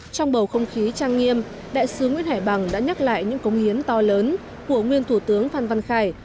trong bầu không khí trang nghiêm đại sứ nguyễn hải bằng đã nhắc lại những công hiến to lớn của nguyên thủ tướng phan văn khải